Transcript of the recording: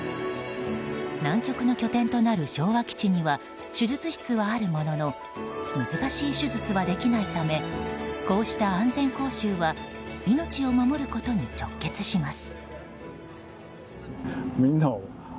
南極の拠点となる昭和基地には手術室はあるものの難しい手術はできないためこうした安全講習は命を守ることに直結します。